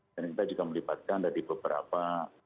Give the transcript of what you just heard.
kita juga melibatkan dari beberapa